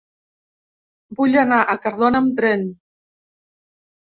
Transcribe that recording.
Vull anar a Cardona amb tren.